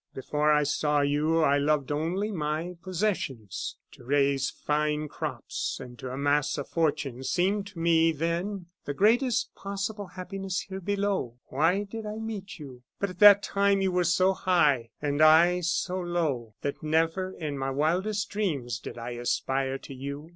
Before I saw you, I loved only my possessions. To raise fine crops, and to amass a fortune, seemed to me, then, the greatest possible happiness here below. "Why did I meet you? But at that time you were so high, and I, so low, that never in my wildest dreams did I aspire to you.